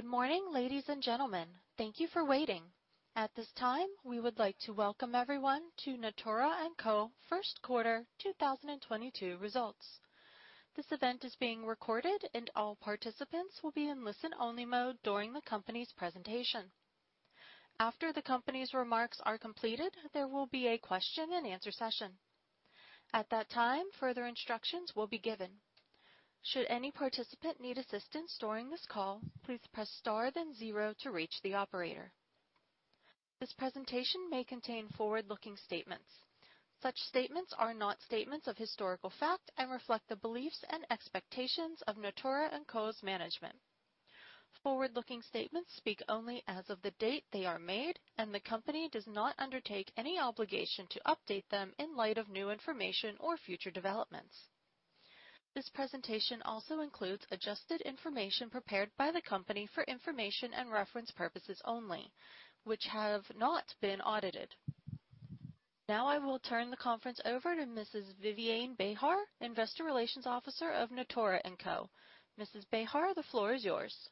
Good morning, ladies and gentlemen. Thank you for waiting. At this time, we would like to welcome everyone to Natura &Co first quarter 2022 results. This event is being recorded and all participants will be in listen-only mode during the company's presentation. After the company's remarks are completed, there will be a question and answer session. At that time, further instructions will be given. Should any participant need assistance during this call, please press star then zero to reach the operator. This presentation may contain forward-looking statements. Such statements are not statements of historical fact and reflect the beliefs and expectations of Natura &Co's management. Forward-looking statements speak only as of the date they are made, and the company does not undertake any obligation to update them in light of new information or future developments. This presentation also includes adjusted information prepared by the company for information and reference purposes only, which have not been audited. Now I will turn the conference over to Mrs. Viviane Behar, Investor Relations Officer of Natura &Co. Mrs. Behar, the floor is yours.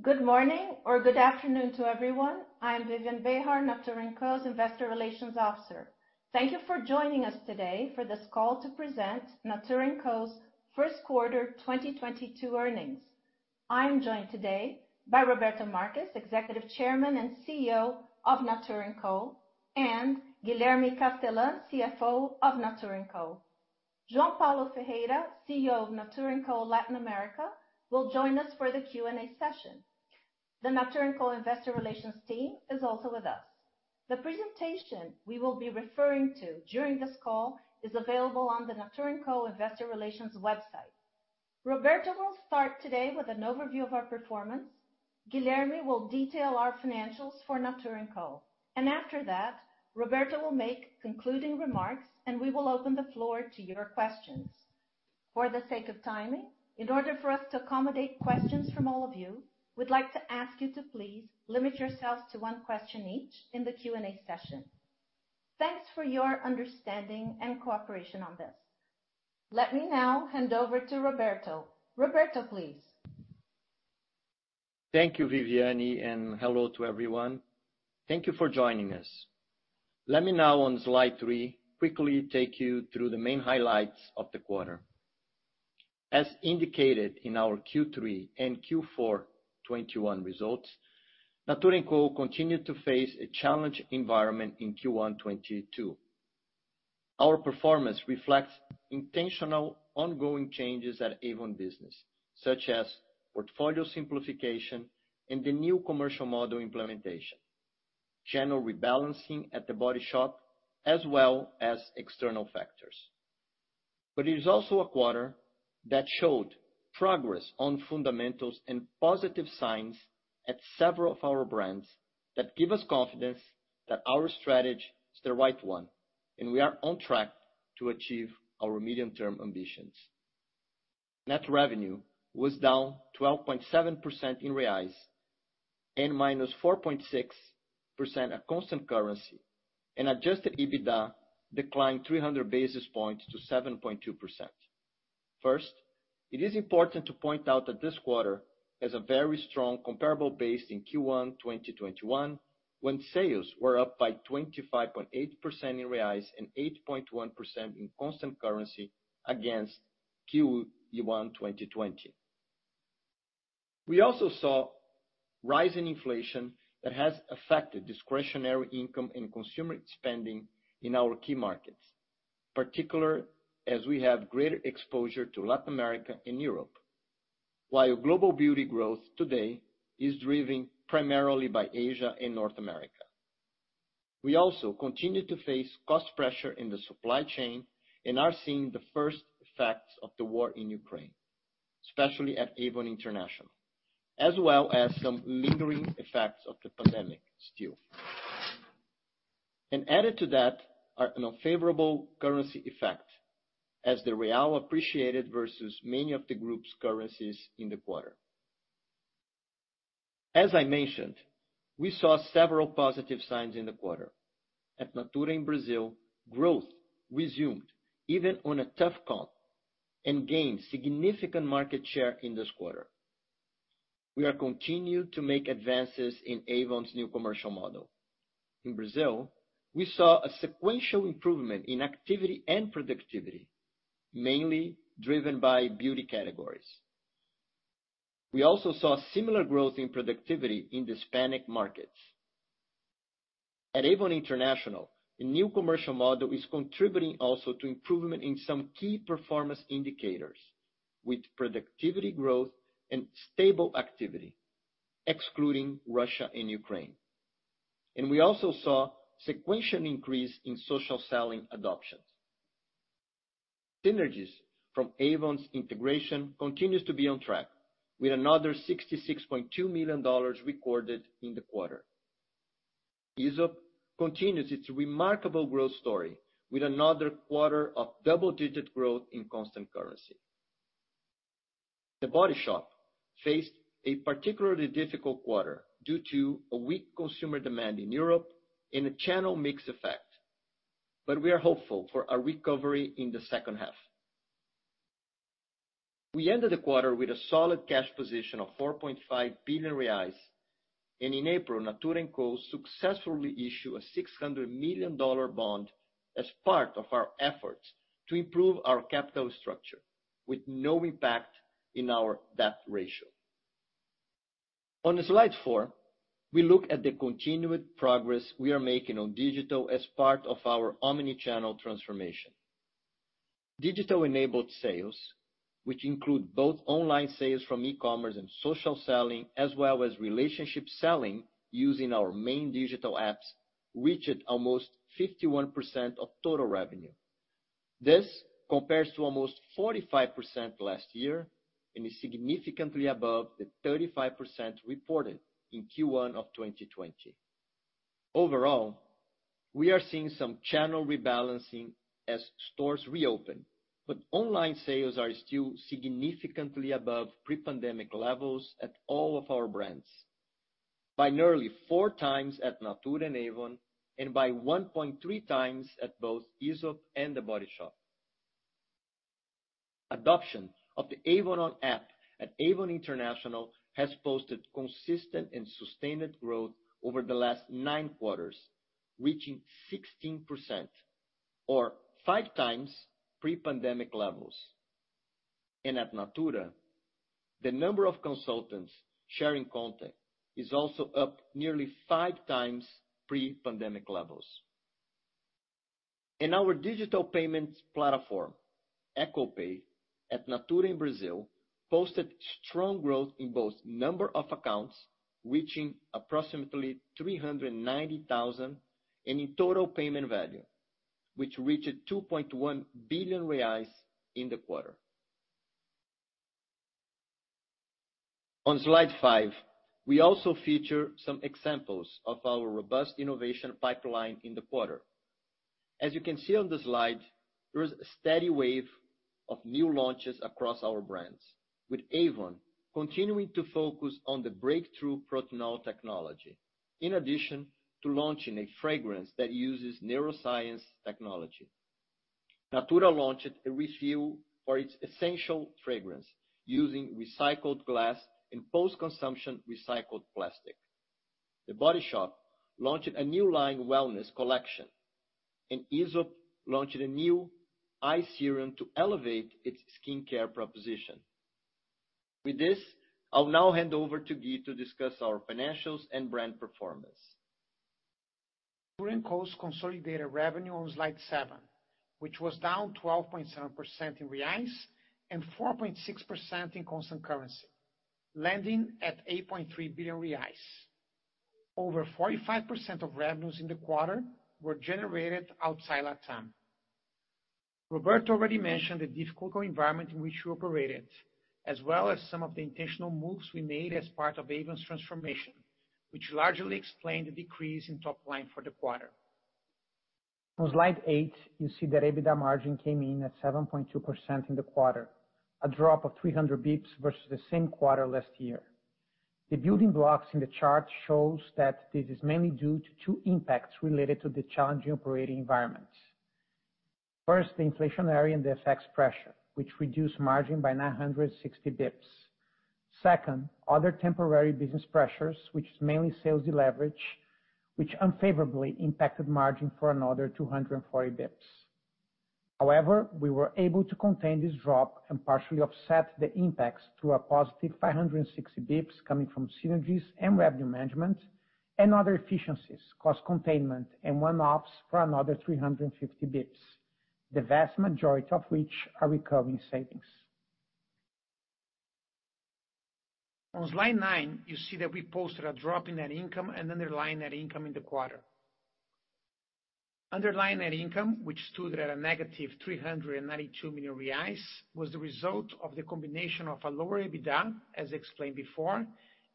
Good morning or good afternoon to everyone. I'm Viviane Behar, Natura &Co's Investor Relations Officer. Thank you for joining us today for this call to present Natura &Co's first quarter 2022 earnings. I'm joined today by Roberto Marques, Executive Chairman and CEO of Natura &Co. Guilherme Castellan, CFO of Natura &Co. João Paulo Ferreira, CEO of Natura &Co Latin America, will join us for the Q&A session. The Natura &Co Investor Relations team is also with us. The presentation we will be referring to during this call is available on the Natura &Co Investor Relations website. Roberto will start today with an overview of our performance. Guilherme will detail our financials for Natura &Co. After that, Roberto will make concluding remarks, and we will open the floor to your questions. For the sake of timing, in order for us to accommodate questions from all of you, we'd like to ask you to please limit yourselves to one question each in the Q&A session. Thanks for your understanding and cooperation on this. Let me now hand over to Roberto. Roberto, please. Thank you, Viviane, and hello to everyone. Thank you for joining us. Let me now on slide three, quickly take you through the main highlights of the quarter. As indicated in our Q3 and Q4 2021 results, Natura &Co continued to face a challenge environment in Q1 2022. Our performance reflects intentional ongoing changes at Avon business, such as portfolio simplification and the new commercial model implementation, channel rebalancing at The Body Shop, as well as external factors. It is also a quarter that showed progress on fundamentals and positive signs at several of our brands that give us confidence that our strategy is the right one, and we are on track to achieve our medium-term ambitions. Net revenue was down 12.7% in BRL and -4.6% at constant currency, and adjusted EBITDA declined 300 basis points to 7.2%. It is important to point out that this quarter has a very strong comparable base in Q1 2021, when sales were up by 25.8% in BRL and 8.1% in constant currency against Q1 2020. We also saw rising inflation that has affected discretionary income and consumer spending in our key markets, particularly as we have greater exposure to Latin America and Europe, while global beauty growth today is driven primarily by Asia and North America. We also continue to face cost pressure in the supply chain and are seeing the first effects of the war in Ukraine, especially at Avon International, as well as some lingering effects of the pandemic still. Added to that are an unfavorable currency effect as the Brazilian real appreciated versus many of the group's currencies in the quarter. As I mentioned, we saw several positive signs in the quarter. At Natura in Brazil, growth resumed even on a tough comp and gained significant market share in this quarter. We continue to make advances in Avon's new commercial model. In Brazil, we saw a sequential improvement in activity and productivity, mainly driven by beauty categories. We also saw similar growth in productivity in the Hispanic markets. At Avon International, a new commercial model is contributing also to improvement in some key performance indicators with productivity growth and stable activity, excluding Russia and Ukraine. We also saw sequential increase in social selling adoptions. Synergies from Avon's integration continues to be on track with another $66.2 million recorded in the quarter. Aesop continues its remarkable growth story with another quarter of double-digit growth in constant currency. The Body Shop faced a particularly difficult quarter due to a weak consumer demand in Europe and a channel mix effect. We are hopeful for a recovery in the second half. We ended the quarter with a solid cash position of 4.5 billion reais, and in April, Natura &Co successfully issue a $600 million bond as part of our efforts to improve our capital structure with no impact in our debt ratio. On slide four, we look at the continued progress we are making on digital as part of our omni-channel transformation. Digital-enabled sales, which include both online sales from e-commerce and social selling, as well as relationship selling using our main digital apps, reached almost 51% of total revenue. This compares to almost 45% last year, and is significantly above the 35% reported in Q1 of 2020. Overall, we are seeing some channel rebalancing as stores reopen, but online sales are still significantly above pre-pandemic levels at all of our brands, by nearly four times at Natura and Avon, and by 1.3 times at both Aesop and The Body Shop. Adoption of the Avon ON app at Avon International has posted consistent and sustained growth over the last nine quarters, reaching 16% or five times pre-pandemic levels. At Natura, the number of consultants sharing content is also up nearly five times pre-pandemic levels. In our digital payments platform, Natura &Co Pay, at Natura in Brazil, posted strong growth in both number of accounts, reaching approximately 390,000, and in total payment value, which reached 2.1 billion reais in the quarter. On slide five, we also feature some examples of our robust innovation pipeline in the quarter. As you can see on the slide, there is a steady wave of new launches across our brands, with Avon continuing to focus on the breakthrough Protinol technology, in addition to launching a fragrance that uses neuroscience technology. Natura launched a refill for its essential fragrance using recycled glass and post-consumption recycled plastic. The Body Shop launched a new line wellness collection, and Aesop launched a new eye serum to elevate its skincare proposition. With this, I'll now hand over to Gui to discuss our financials and brand performance. Natura &Co's consolidated revenue on slide seven, which was down 12.7% in reais and 4.6% in constant currency, landing at 8.3 billion reais. Over 45% of revenues in the quarter were generated outside Latam. Roberto already mentioned the difficult environment in which we operated, as well as some of the intentional moves we made as part of Avon's transformation, which largely explained the decrease in top line for the quarter. On slide eight, you see that EBITDA margin came in at 7.2% in the quarter, a drop of 300 basis points versus the same quarter last year. The building blocks in the chart shows that this is mainly due to two impacts related to the challenging operating environments. First, the inflationary and the FX pressure, which reduced margin by 960 basis points. Second, other temporary business pressures, which is mainly sales deleverage, which unfavorably impacted margin for another 240 basis points. However, we were able to contain this drop and partially offset the impacts through a positive 560 basis points coming from synergies and revenue management and other efficiencies, cost containment, and one-offs for another 350 basis points, the vast majority of which are recurring savings. On slide 9, you see that we posted a drop in net income and underlying net income in the quarter. Underlying net income, which stood at a negative 392 million reais, was the result of the combination of a lower EBITDA, as explained before,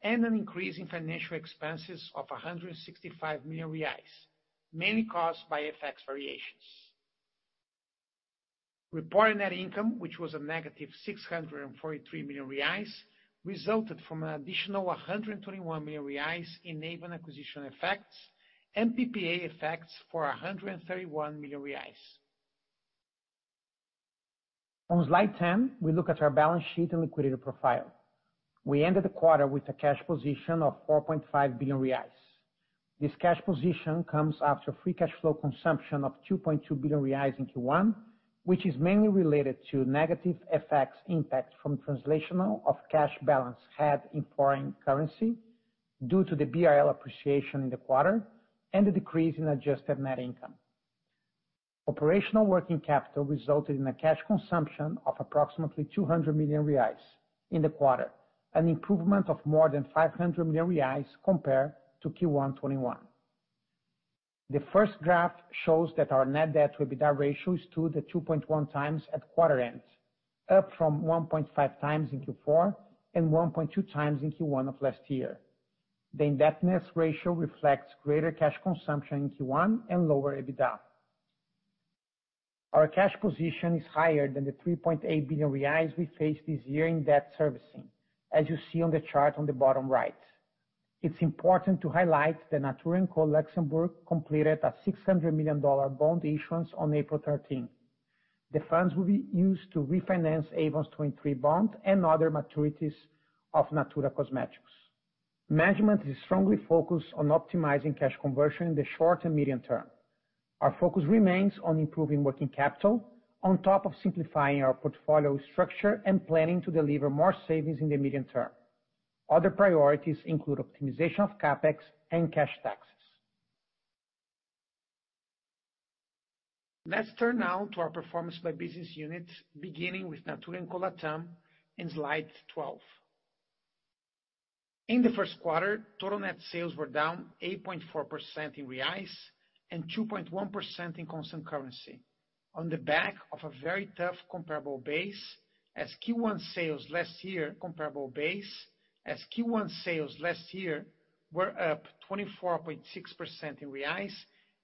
and an increase in financial expenses of 165 million reais, mainly caused by FX variations. Reported net income, which was -643 million reais, resulted from an additional 121 million reais in Avon acquisition effects and PPA effects for 131 million reais. On slide 10, we look at our balance sheet and liquidity profile. We ended the quarter with a cash position of 4.5 billion reais. This cash position comes after free cash flow consumption of 2.2 billion reais in Q1, which is mainly related to negative FX impact from translation of cash balances held in foreign currency due to the BRL appreciation in the quarter and the decrease in adjusted net income. Operational working capital resulted in a cash consumption of approximately 200 million reais in the quarter, an improvement of more than 500 million reais compared to Q1 2021. The first graph shows that our net debt to EBITDA ratio is 2-2.1 times at quarter end, up from 1.5 times in Q4 and 1.2 times in Q1 of last year. The indebtedness ratio reflects greater cash consumption in Q1 and lower EBITDA. Our cash position is higher than the 3.8 billion reais we faced this year in debt servicing, as you see on the chart on the bottom right. It's important to highlight that Natura &Co Luxembourg completed a $600 million bond issuance on April 13. The funds will be used to refinance Avon's 2023 bond and other maturities of Natura Cosméticos. Management is strongly focused on optimizing cash conversion in the short and medium term. Our focus remains on improving working capital on top of simplifying our portfolio structure and planning to deliver more savings in the medium term. Other priorities include optimization of CapEx and cash taxes. Let's turn now to our performance by business unit, beginning with Natura &Co Latam in slide 12. In the first quarter, total net sales were down 8.4% in reais and 2.1% in constant currency on the back of a very tough comparable base, as Q1 sales last year were up 24.6% in reais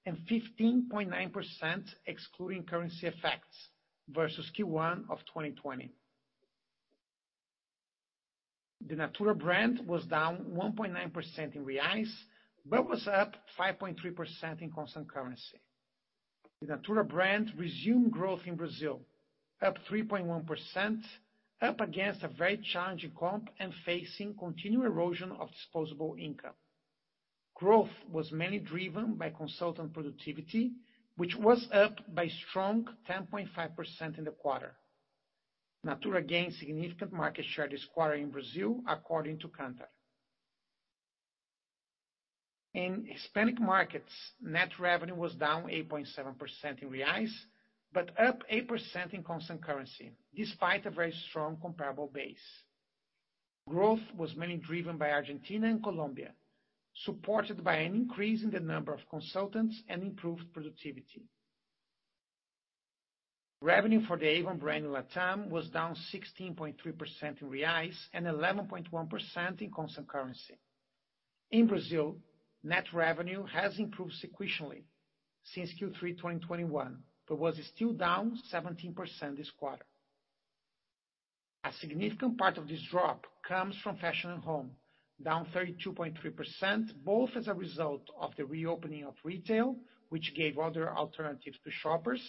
and 15.9% excluding currency effects versus Q1 of 2020. The Natura brand was down 1.9% in reais, but was up 5.3% in constant currency. The Natura brand resumed growth in Brazil, up 3.1%, up against a very challenging comp and facing continued erosion of disposable income. Growth was mainly driven by consultant productivity, which was up by strong 10.5% in the quarter. Natura gained significant market share this quarter in Brazil, according to Kantar. In Hispanic markets, net revenue was down 8.7% in reais, but up 8% in constant currency, despite a very strong comparable base. Growth was mainly driven by Argentina and Colombia, supported by an increase in the number of consultants and improved productivity. Revenue for the Avon brand in Latam was down 16.3% in reais and 11.1% in constant currency. In Brazil, net revenue has improved sequentially since Q3 2021, but was still down 17% this quarter. A significant part of this drop comes from Fashion & Home, down 32.3%, both as a result of the reopening of retail, which gave other alternatives to shoppers,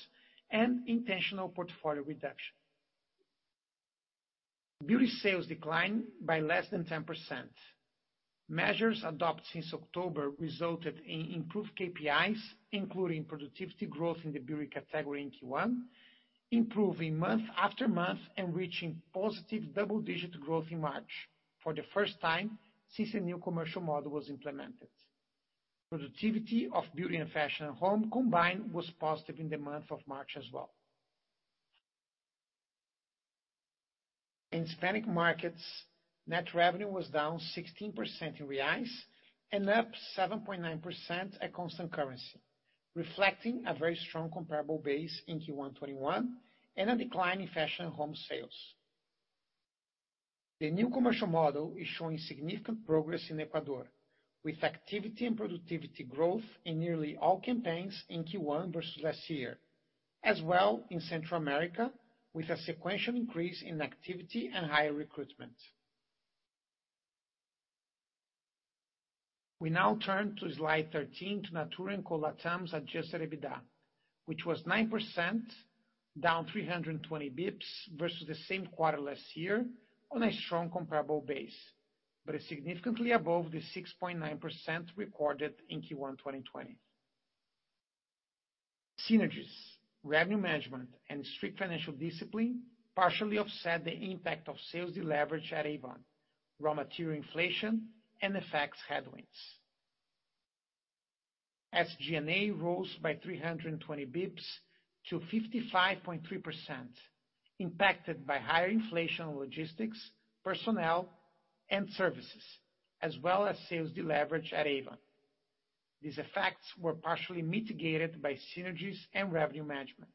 and intentional portfolio reduction. Beauty sales declined by less than 10%. Measures adopted since October resulted in improved KPIs, including productivity growth in the beauty category in Q1, improving month after month and reaching positive double-digit growth in March for the first time since a new commercial model was implemented. Productivity of Beauty and Fashion & Home combined was positive in the month of March as well. In Hispanic markets, net revenue was down 16% in BRL and up 7.9% at constant currency, reflecting a very strong comparable base in Q1 2021 and a decline in Fashion & Home sales. The new commercial model is showing significant progress in Ecuador, with activity and productivity growth in nearly all campaigns in Q1 versus last year, as well in Central America, with a sequential increase in activity and higher recruitment. We now turn to slide 13 to Natura &Co Latam's adjusted EBITDA, which was 9%, down 320 basis points versus the same quarter last year on a strong comparable base, but is significantly above the 6.9% recorded in Q1 2020. Synergies, revenue management, and strict financial discipline partially offset the impact of sales deleverage at Avon, raw material inflation, and FX headwinds. SG&A rose by 320 basis points to 55.3%, impacted by higher inflation, logistics, personnel and services, as well as sales deleverage at Avon. These effects were partially mitigated by synergies and revenue management.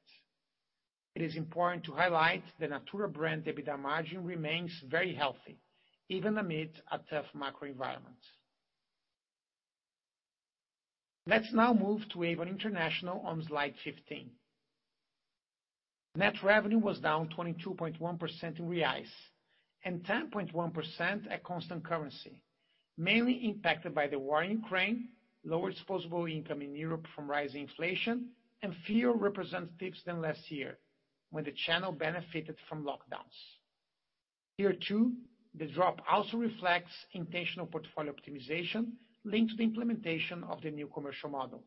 It is important to highlight the Natura brand EBITDA margin remains very healthy, even amid a tough macro environment. Let's now move to Avon International on slide 15. Net revenue was down 22.1% in reais and 10.1% at constant currency, mainly impacted by the war in Ukraine, lower disposable income in Europe from rising inflation, and fewer representatives than last year, when the channel benefited from lockdowns. Here, too, the drop also reflects intentional portfolio optimization linked to the implementation of the new commercial model.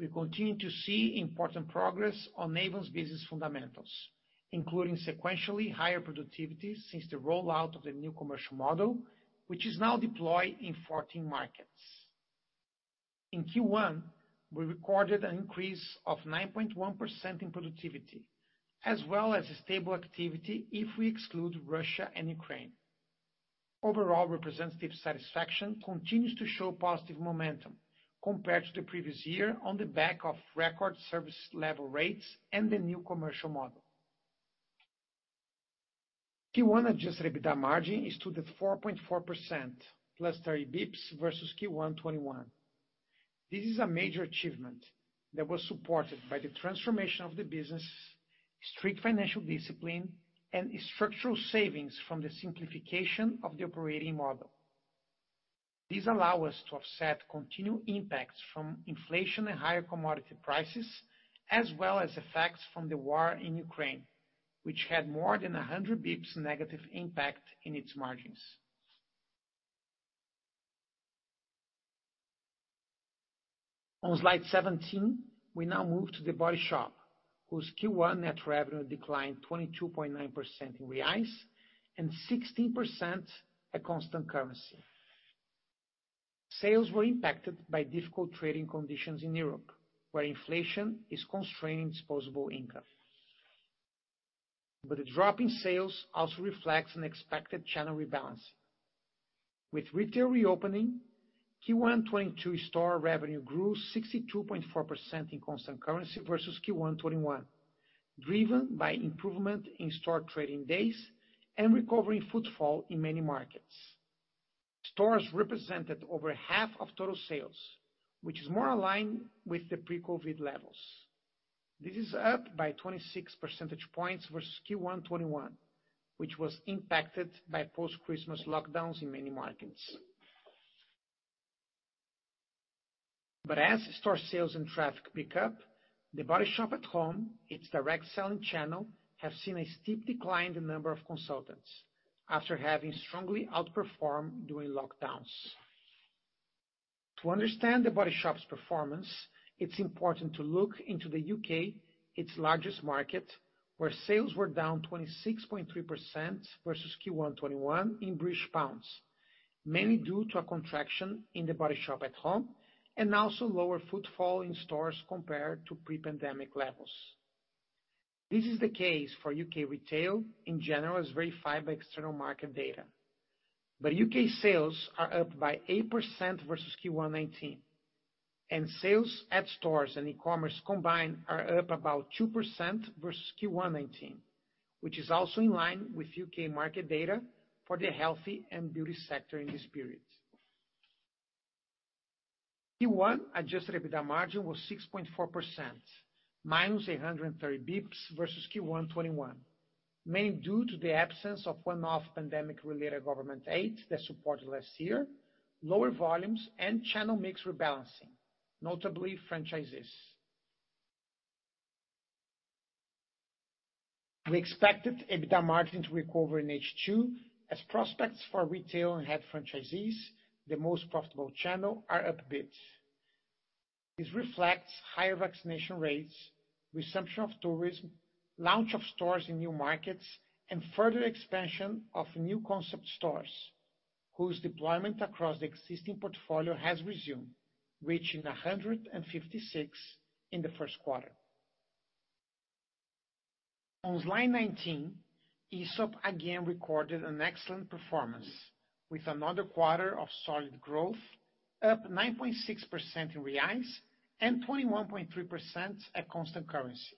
We continue to see important progress on Avon's business fundamentals, including sequentially higher productivity since the rollout of the new commercial model, which is now deployed in 14 markets. In Q1, we recorded an increase of 9.1% in productivity, as well as stable activity if we exclude Russia and Ukraine. Overall representative satisfaction continues to show positive momentum compared to the previous year on the back of record service level rates and the new commercial model. Q1 adjusted EBITDA margin stood at 4.4%, +30 basis points versus Q1 2021. This is a major achievement that was supported by the transformation of the business, strict financial discipline, and structural savings from the simplification of the operating model. These allow us to offset continued impacts from inflation and higher commodity prices, as well as effects from the war in Ukraine, which had more than 100 basis points negative impact on its margins. On slide 17, we now move to The Body Shop, whose Q1 net revenue declined 22.9% in BRL and 16% at constant currency. Sales were impacted by difficult trading conditions in Europe, where inflation is constraining disposable income. The drop in sales also reflects an expected channel rebalance. With retail reopening, Q1 2022 store revenue grew 62.4% in constant currency versus Q1 2021, driven by improvement in store trading days and recovering footfall in many markets. Stores represented over half of total sales, which is more aligned with the pre-COVID levels. This is up by 26 percentage points versus Q1 2021, which was impacted by post-Christmas lockdowns in many markets. As store sales and traffic pick up, The Body Shop At Home, its direct selling channel, have seen a steep decline in the number of consultants after having strongly outperformed during lockdowns. To understand The Body Shop's performance, it's important to look into the U.K., its largest market, where sales were down 26.3% versus Q1 2021 in British pounds, mainly due to a contraction in The Body Shop At Home and also lower footfall in stores compared to pre-pandemic levels. This is the case for U.K. retail in general as verified by external market data. UK sales are up by 8% versus Q1 2019, and sales at stores and e-commerce combined are up about 2% versus Q1 2019, which is also in line with UK market data for the health and beauty sector in this period. Q1 adjusted EBITDA margin was 6.4%, minus 830 basis points versus Q1 2021, mainly due to the absence of one-off pandemic-related government aid that supported last year, lower volumes and channel mix rebalancing, notably franchises. We expected EBITDA margin to recover in H2 as prospects for retail and head franchisees, the most profitable channel, are up a bit. This reflects higher vaccination rates, resumption of tourism, launch of stores in new markets, and further expansion of new concept stores whose deployment across the existing portfolio has resumed, reaching 156 in the first quarter. On slide 19, Aesop again recorded an excellent performance with another quarter of solid growth, up 9.6% in reais and 21.3% at constant currency.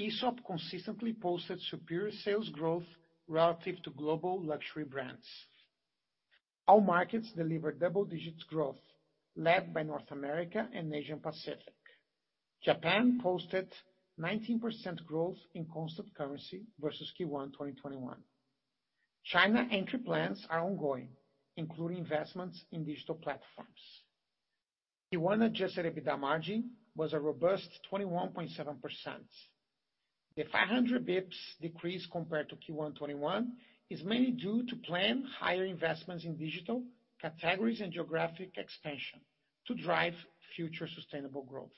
Aesop consistently posted superior sales growth relative to global luxury brands. All markets delivered double-digit growth, led by North America and Asia Pacific. Japan posted 19% growth in constant currency versus Q1 2021. China entry plans are ongoing, including investments in digital platforms. Q1 adjusted EBITDA margin was a robust 21.7%. The 500 BPS decrease compared to Q1 2021 is mainly due to planned higher investments in digital categories and geographic expansion to drive future sustainable growth.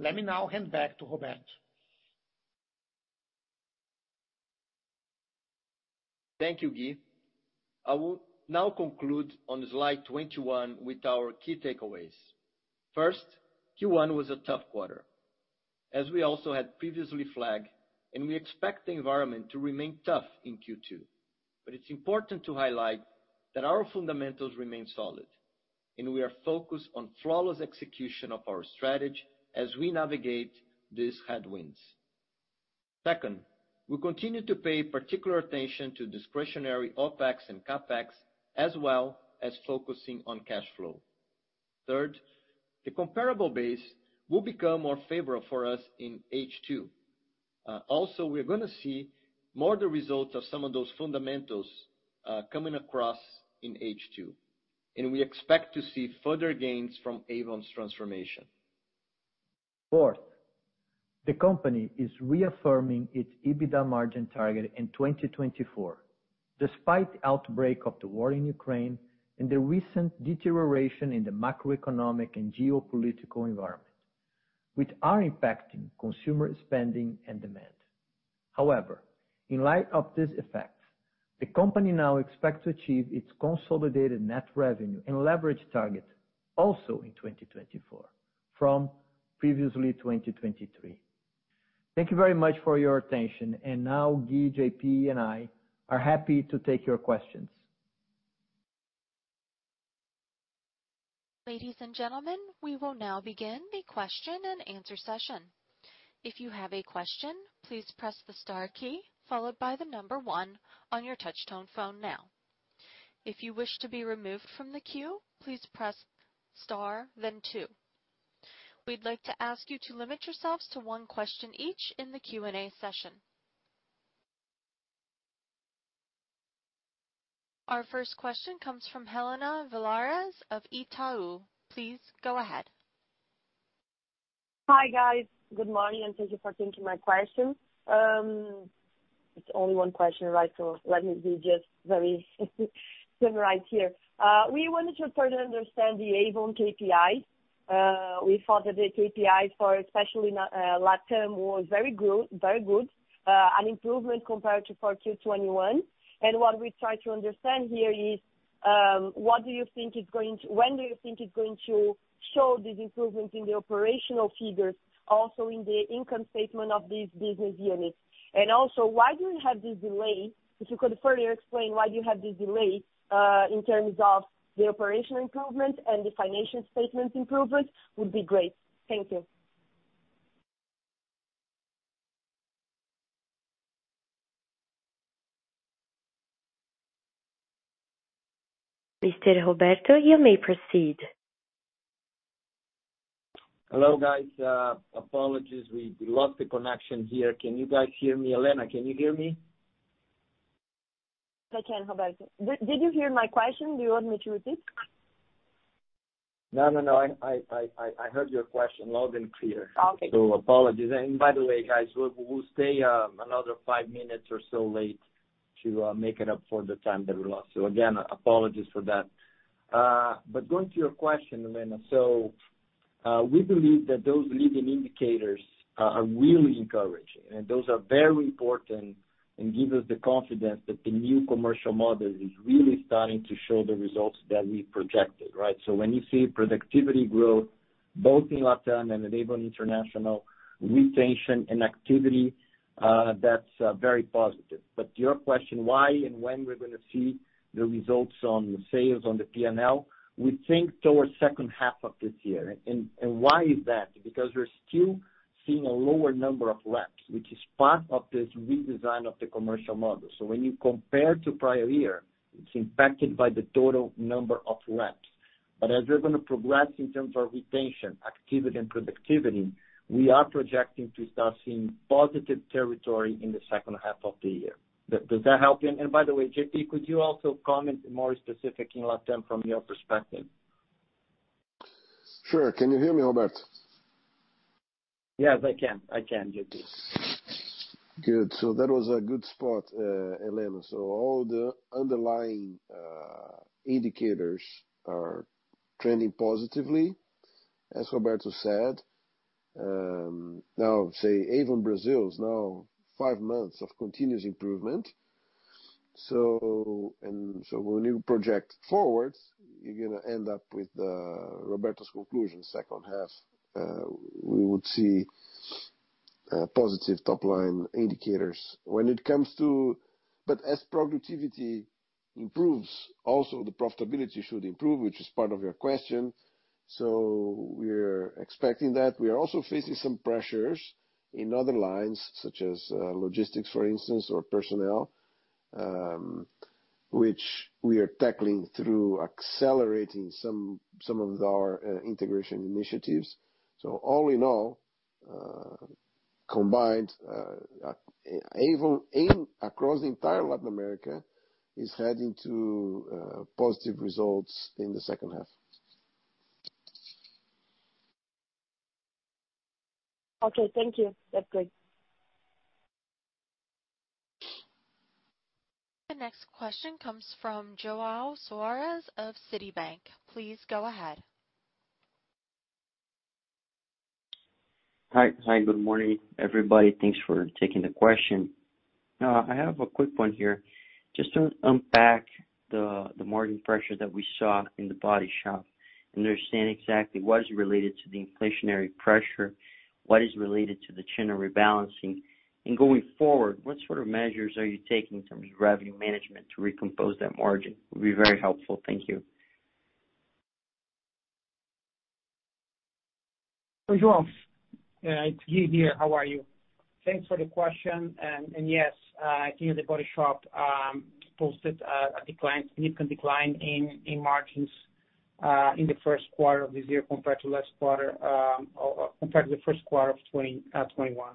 Let me now hand back to Roberto. Thank you, Gui. I will now conclude on slide 21 with our key takeaways. First, Q1 was a tough quarter, as we also had previously flagged, and we expect the environment to remain tough in Q2. It's important to highlight that our fundamentals remain solid, and we are focused on flawless execution of our strategy as we navigate these headwinds. Second, we continue to pay particular attention to discretionary OpEx and CapEx, as well as focusing on cash flow. Third, the comparable base will become more favorable for us in H2. Also, we're gonna see more the results of some of those fundamentals, coming across in H2, and we expect to see further gains from Avon's transformation. Fourth, the company is reaffirming its EBITDA margin target in 2024, despite outbreak of the war in Ukraine and the recent deterioration in the macroeconomic and geopolitical environment, which are impacting consumer spending and demand. However, in light of this effect, the company now expects to achieve its consolidated net revenue and leverage target also in 2024 from previously 2023. Thank you very much for your attention. Now Gui, J.P. and I are happy to take your questions. Ladies and gentlemen, we will now begin the question and answer session. If you have a question, please press the star key followed by the number one on your touchtone phone now. If you wish to be removed from the queue, please press star then two. We'd like to ask you to limit yourselves to one question each in the Q&A session. Our first question comes from Helena Villares of Itaú. Please go ahead. Hi, guys. Good morning, and thank you for taking my question. It's only one question, right? Let me be just very summarize here. We wanted to further understand the Avon KPI. We thought that the KPI for especially in LatAm was very good, an improvement compared to Q1 2021. What we try to understand here is, when do you think it's going to show this improvement in the operational figures, also in the income statement of these business units? Why do you have this delay? If you could further explain why do you have this delay in terms of the operational improvement and the financial statement improvement would be great. Thank you. Mr. Roberto, you may proceed. Hello, guys. Apologies, we lost the connection here. Can you guys hear me? Helena, can you hear me? I can, Roberto. Did you hear my question? Do you want me to repeat? No. I heard your question loud and clear. Okay. Apologies. By the way, guys, we'll stay another five minutes or so late to make it up for the time that we lost. Again, apologies for that. Going to your question, Helena. We believe that those leading indicators are really encouraging, and those are very important and give us the confidence that the new commercial model is really starting to show the results that we projected, right? When you see productivity growth both in LatAm and in Avon International, retention and activity, that's very positive. To your question, why and when we're gonna see the results on the sales, on the P&L, we think towards second half of this year. Why is that? Because we're still seeing a lower number of reps, which is part of this redesign of the commercial model. When you compare to prior year, it's impacted by the total number of reps. As we're gonna progress in terms of retention, activity and productivity, we are projecting to start seeing positive territory in the second half of the year. Does that help you? By the way, J.P., could you also comment more specific in LatAm from your perspective? Sure. Can you hear me, Roberto? Yes, I can. I can, J.P.. Good. That was a good spot, Helena. All the underlying indicators are trending positively, as Roberto said. Now say Avon Brazil is now five months of continuous improvement. When you project forward, you're gonna end up with Roberto's conclusion, second half we would see positive top line indicators. As productivity improves, also the profitability should improve, which is part of your question. We're expecting that. We are also facing some pressures in other lines, such as logistics, for instance, or personnel, which we are tackling through accelerating some of our integration initiatives. All in all, combined Avon across the entire Latin America is heading to positive results in the second half. Okay, thank you. That's great. The next question comes from João Soares of Citi. Please go ahead. Hi. Hi, good morning, everybody. Thanks for taking the question. I have a quick one here. Just to unpack the margin pressure that we saw in The Body Shop and understand exactly what is related to the inflationary pressure, what is related to the channel rebalancing. Going forward, what sort of measures are you taking in terms of revenue management to recompose that margin? Would be very helpful. Thank you. João, it's Gui here. How are you? Thanks for the question. Yes, at the end, The Body Shop posted a significant decline in margins in the first quarter of this year compared to last quarter, or compared to the first quarter of 2021.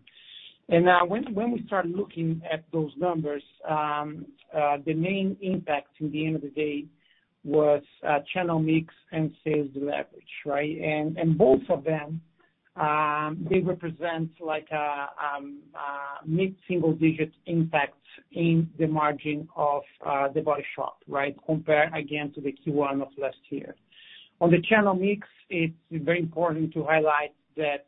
When we start looking at those numbers, the main impact till the end of the day was channel mix and sales leverage, right? Both of them represent like a mid-single digit impact in the margin of The Body Shop, right? Compared again to the Q1 of last year. On the channel mix, it's very important to highlight that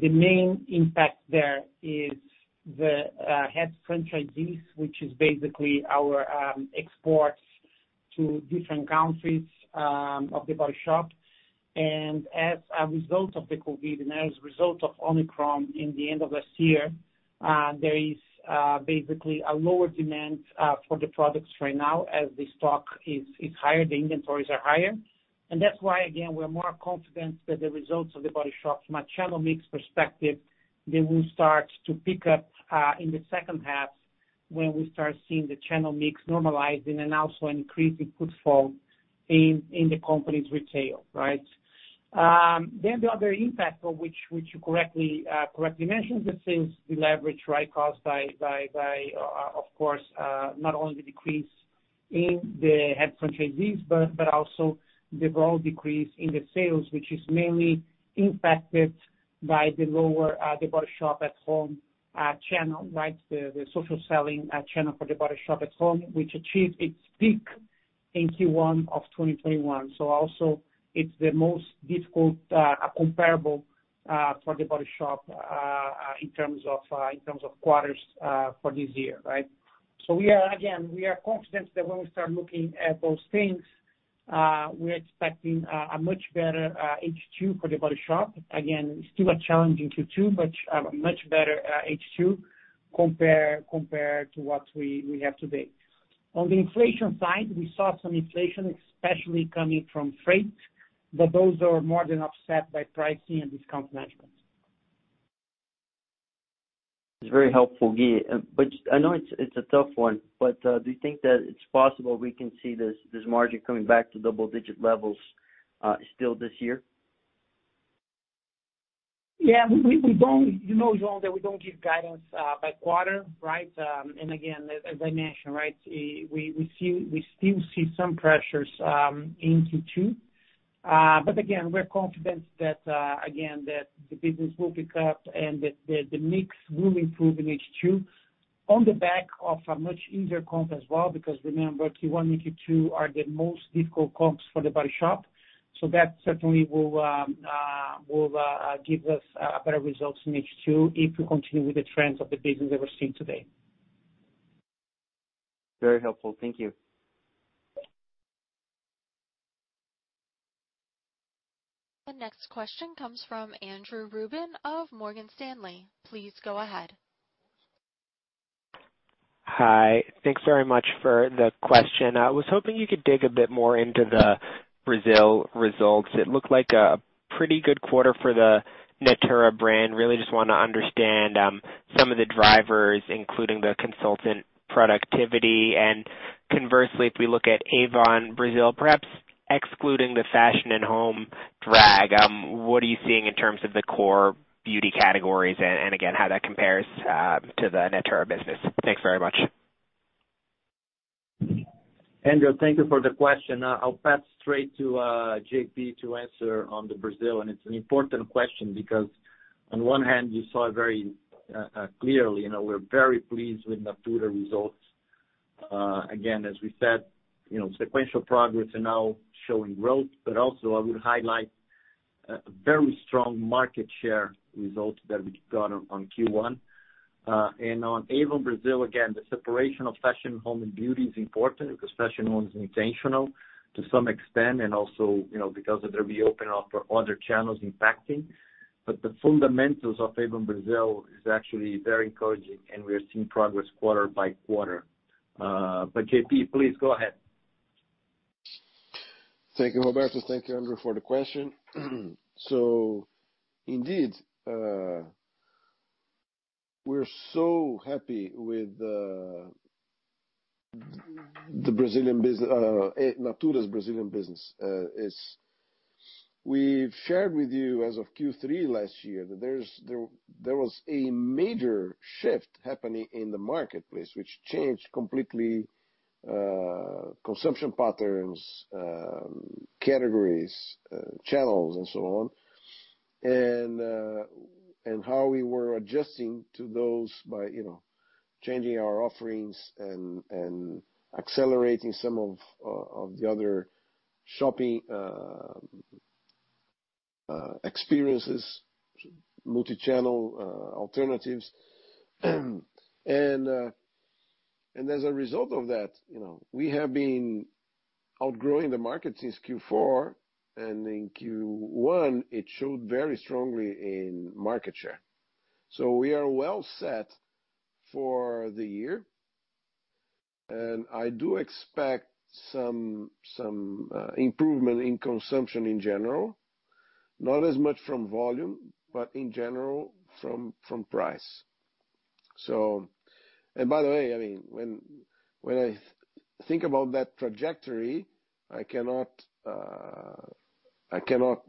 the main impact there is the head franchisees, which is basically our exports to different countries of The Body Shop. As a result of the COVID, and as a result of Omicron in the end of last year, there is basically a lower demand for the products right now as the stock is higher, the inventories are higher. That's why, again, we're more confident that the results of The Body Shop from a channel mix perspective, they will start to pick up in the second half when we start seeing the channel mix normalizing and also increasing footfall in the company's retail, right? The other impact of which you correctly mentioned is since we leverage right cost by of course not only the decrease in the head franchise fees, but also the overall decrease in the sales, which is mainly impacted by the lower The Body Shop at Home channel, right? The social selling channel for The Body Shop At Home, which achieved its peak in Q1 of 2021. Also it's the most difficult comparable for The Body Shop in terms of quarters for this year, right? We are again confident that when we start looking at those things, we're expecting a much better H2 for The Body Shop. Again, still a challenging Q2, but a much better H2 compared to what we have today. On the inflation side, we saw some inflation, especially coming from freight, but those are more than offset by pricing and discount management. It's very helpful, Gui. I know it's a tough one, but do you think that it's possible we can see this margin coming back to double-digit levels still this year? Yeah, we don't. You know, João, that we don't give guidance by quarter, right? Again, as I mentioned, right, we still see some pressures in Q2. Again, we're confident that again, that the business will pick up and that the mix will improve in H2 on the back of a much easier comp as well, because remember, Q1 and Q2 are the most difficult comps for The Body Shop. That certainly will give us better results in H2 if we continue with the trends of the business that we're seeing today. Very helpful. Thank you. The next question comes from Andrew Ruben of Morgan Stanley. Please go ahead. Hi. Thanks very much for the question. I was hoping you could dig a bit more into the Brazil results. It looked like a pretty good quarter for the Natura brand. Really just wanna understand some of the drivers, including the consultant productivity. Conversely, if we look at Avon Brazil, perhaps excluding the Fashion & Home drag, what are you seeing in terms of the core beauty categories and again, how that compares to the Natura business? Thanks very much. Andrew, thank you for the question. I'll pass straight to J.P. to answer on Brazil. It's an important question because on one hand, you saw very clearly, you know, we're very pleased with Natura results. Again, as we said, you know, sequential progress are now showing growth, but also I would highlight very strong market share results that we got on Q1. On Avon Brazil, again, the separation of fashion, home, and beauty is important because fashion one is intentional to some extent, and also, you know, because of the reopen after other channels impacting. The fundamentals of Avon Brazil is actually very encouraging, and we are seeing progress quarter by quarter. J.P., please go ahead. Thank you, Roberto. Thank you, Andrew, for the question. Indeed, we're so happy with the Brazilian business, Natura's Brazilian business. We've shared with you as of Q3 last year that there was a major shift happening in the marketplace, which changed completely consumption patterns, categories, channels and so on, and how we were adjusting to those by, you know, changing our offerings and accelerating some of the other shopping experiences, multi-channel alternatives. As a result of that, you know, we have been outgrowing the market since Q4, and in Q1, it showed very strongly in market share. We are well set for the year, and I do expect some improvement in consumption in general, not as much from volume, but in general from price. By the way, I mean, when I think about that trajectory, I cannot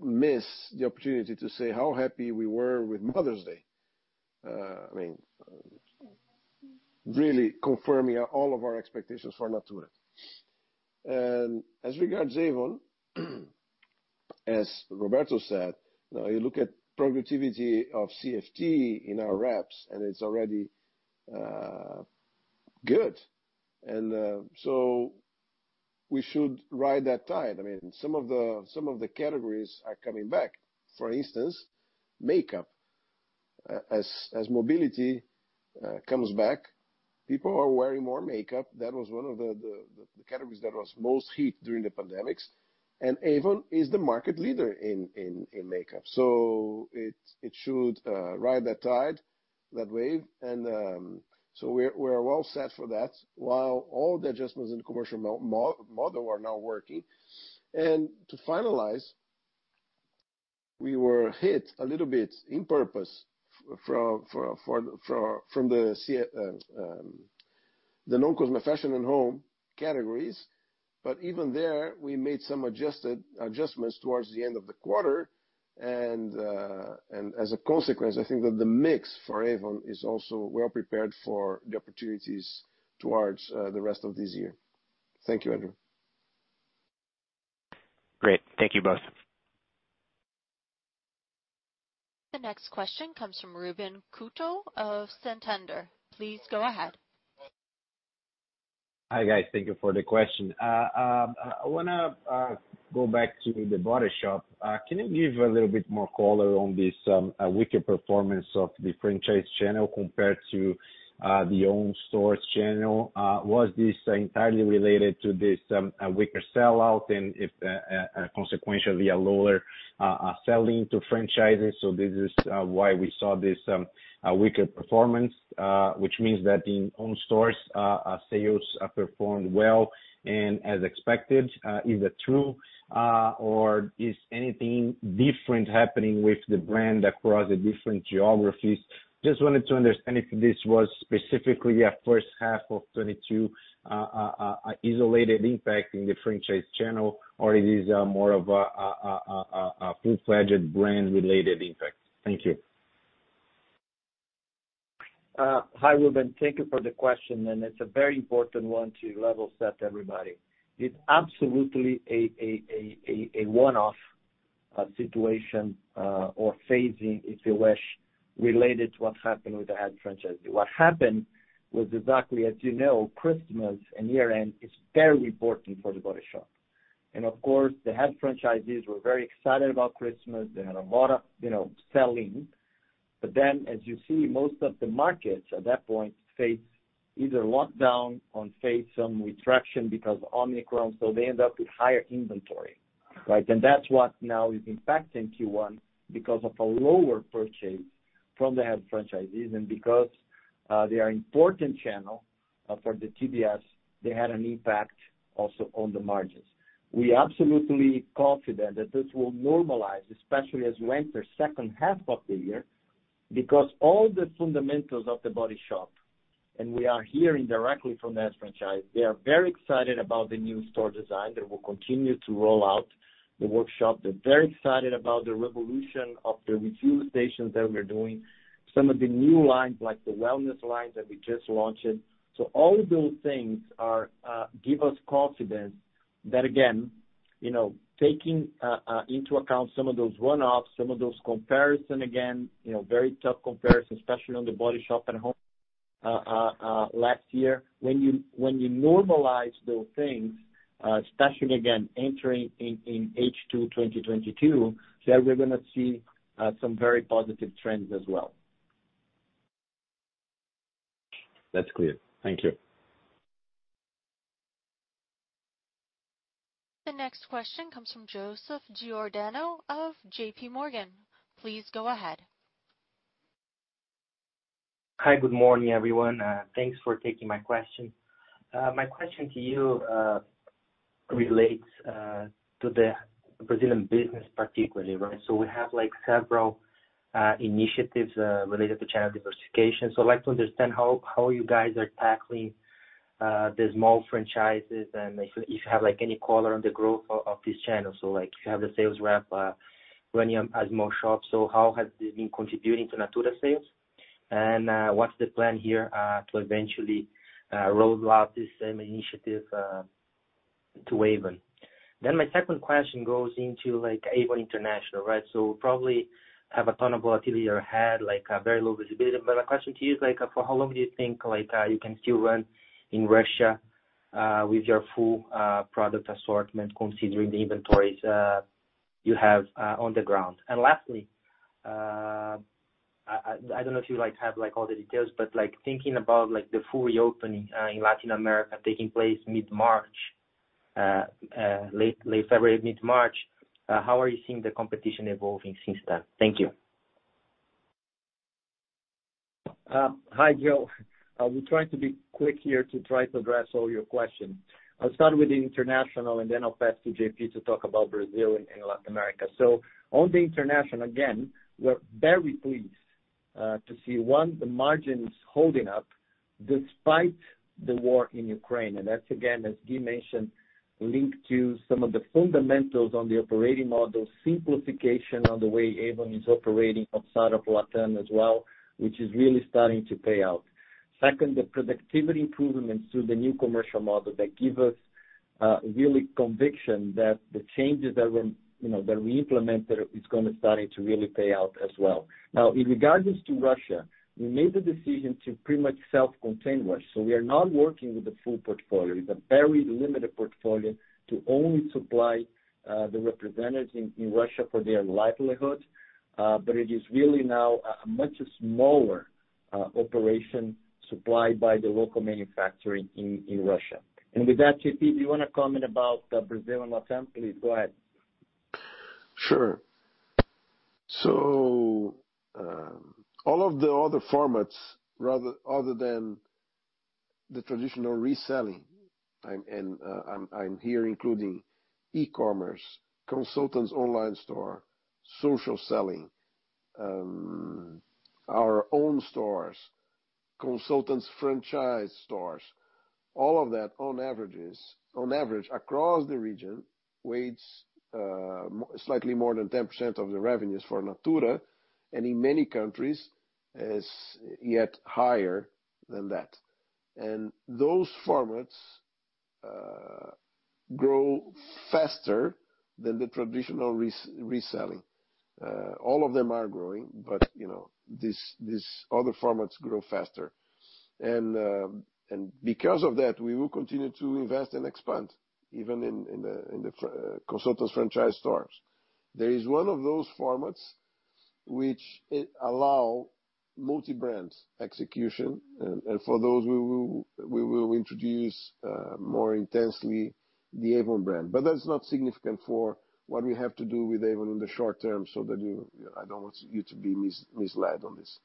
miss the opportunity to say how happy we were with Mother's Day. I mean, really confirming all of our expectations for Natura. As regards Avon, as Roberto said, you know, you look at productivity of CFT in our reps, and it's already good. We should ride that tide. I mean, some of the categories are coming back, for instance, makeup. As mobility comes back, people are wearing more makeup. That was one of the categories that was most hit during the pandemic, and Avon is the market leader in makeup. It should ride that tide, that wave. We're well set for that while all the adjustments in the commercial model are now working. To finalize, we were hit a little bit in the non-cosmetics Fashion & Home categories. Even there, we made some adjustments towards the end of the quarter. As a consequence, I think that the mix for Avon is also well prepared for the opportunities towards the rest of this year. Thank you, Andrew. Great. Thank you both. The next question comes from Ruben Couto of Santander. Please go ahead. Hi, guys. Thank you for the question. I wanna go back to The Body Shop. Can you give a little bit more color on this weaker performance of the franchise channel compared to the owned stores channel? Was this entirely related to this weaker sell-out and, consequentially, a lower selling to franchises, so this is why we saw this weaker performance, which means that in owned stores sales performed well and as expected. Is it true, or is anything different happening with the brand across the different geographies? Just wanted to understand if this was specifically a first half of 2022 isolated impact in the franchise channel, or it is more of a full-fledged brand related impact. Thank you. Hi, Ruben. Thank you for the question, and it's a very important one to level set everybody. It's absolutely a one-off situation or phasing, if you wish, related to what happened with the head franchisee. What happened was exactly as you know, Christmas and year-end is very important for The Body Shop. Of course, the head franchisees were very excited about Christmas. They had a lot of, you know, selling. Then, as you see, most of the markets at that point faced either lockdown or faced some retraction because Omicron, so they end up with higher inventory, right? That's what now is impacting Q1 because of a lower purchase from the head franchisees. Because they are important channel for the TBS, they had an impact also on the margins. We are absolutely confident that this will normalize, especially as we enter second half of the year, because all the fundamentals of The Body Shop, and we are hearing directly from the franchise, they are very excited about the new store design that will continue to roll out the Workshop. They're very excited about the revolution of the refill stations that we're doing. Some of the new lines, like the wellness lines that we just launched. All of those things are give us confidence that again, you know, taking into account some of those one-offs, some of those comparison, again, you know, very tough comparison, especially on The Body Shop and Home last year. When you normalize those things, especially again, entering in H2 2022, there we're gonna see some very positive trends as well. That's clear. Thank you. The next question comes from Joseph Giordano of JPMorgan. Please go ahead. Hi, good morning, everyone. Thanks for taking my question. My question to you relates to the Brazilian business particularly, right? We have, like, several initiatives related to channel diversification. I'd like to understand how you guys are tackling the small franchises and if you have, like, any color on the growth of this channel. Like, you have the sales rep running a small shop. How has this been contributing to Natura sales? What's the plan here to eventually roll out this same initiative to Avon? My second question goes into, like, Avon International, right? Probably have a ton of volatility or had like a very low visibility. My question to you is, like, for how long do you think, like, you can still run in Russia, with your full product assortment, considering the inventories you have on the ground? Lastly, I don't know if you, like, have, like, all the details, but, like, thinking about, like, the full reopening in Latin America taking place mid-March, late February, mid-March, how are you seeing the competition evolving since then? Thank you. Hi, Joe. I will try to be quick here to try to address all your questions. I'll start with the international, and then I'll pass to J.P. to talk about Brazil and Latin America. On the international, again, we're very pleased to see, one, the margins holding up despite the war in Ukraine. That's again, as Gui mentioned, linked to some of the fundamentals on the operating model, simplification on the way Avon is operating outside of Latin as well, which is really starting to pay out. Second, the productivity improvements through the new commercial model that give us really conviction that the changes that we're, you know, that we implemented is gonna starting to really pay out as well. Now, in regards to Russia, we made the decision to pretty much self-contain Russia. We are not working with the full portfolio. It's a very limited portfolio to only supply the representatives in Russia for their livelihood. But it is really now a much smaller operation supplied by the local manufacturing in Russia. With that, J.P., do you wanna comment about the Brazil and LatAm? Please go ahead. Sure. All of the other formats other than the traditional reselling, and I'm here including e-commerce, consultants online store, social selling, our own stores, consultants franchise stores, all of that on average across the region weighs slightly more than 10% of the revenues for Natura and in many countries is yet higher than that. Those formats grow faster than the traditional reselling. All of them are growing, but you know, these other formats grow faster. Because of that, we will continue to invest and expand even in the consultants franchise stores. There is one of those formats which allow multi-brand execution, and for those we will introduce more intensely the Avon brand. That's not significant for what we have to do with Avon in the short term. I don't want you to be misled on this.